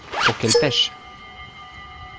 Pour qu’elle pêche.